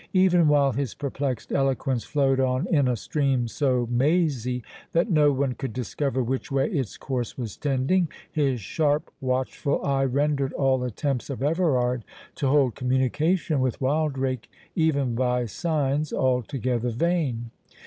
Even while his perplexed eloquence flowed on in a stream so mazy that no one could discover which way its course was tending, his sharp watchful eye rendered all attempts of Everard to hold communication with Wildrake, even by signs, altogether vain.